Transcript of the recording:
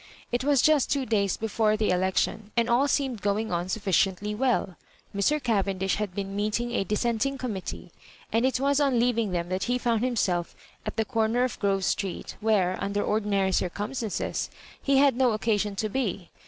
It was just two days before the election, and all seemed going on sufficiently well Mr. Ca vendish had been meeting a Dissenting commit tee, and it was on leaving them that he found himself at the comer of Grove Street, where, un der ordinary drcumstances, he had no occasion to be.